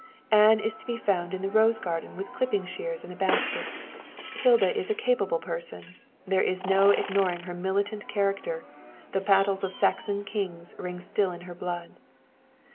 Anne is to be found in the rose garden with clipping shears and a basket. Hilda is a capable person; there is no ignoring her militant character; the battles of Saxon kings ring still in her blood.